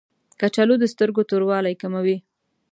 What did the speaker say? کچالو د سترګو توروالی کموي